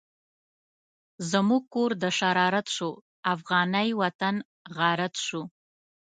زموږ کور د شرارت شو، افغانی وطن غارت شو